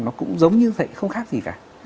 nó cũng giống như vậy không khác gì cả